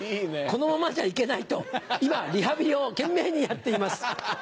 「このままじゃいけないと今リハビリをけんめいにやってます。